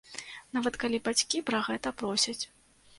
Нават калі бацькі пра гэта просяць.